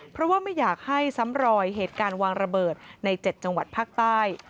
เพราะว่าไม่อยากให้ซ้ำรอยเหตุการณ์วางระเบิดใน๗จังหวัดภาคใต้